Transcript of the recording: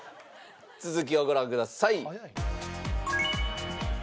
続きをご覧ください。